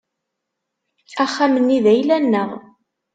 Axxam-nni d ayla-nneɣ.